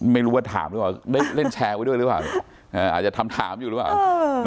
ไม่รู้ว่าถามหรือเปล่าได้เล่นแชร์ไว้ด้วยหรือเปล่าอ่าอาจจะทำถามอยู่หรือเปล่าเออ